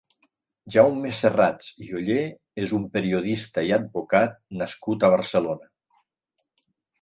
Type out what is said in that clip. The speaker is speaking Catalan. Jaume Serrats i Ollé és un periodista i advocat nascut a Barcelona.